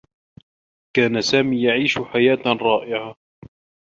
كان سامي يعيش حياة رائعة.